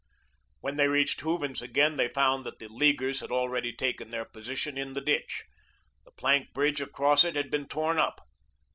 When they reached Hooven's again, they found that the Leaguers had already taken their position in the ditch. The plank bridge across it had been torn up.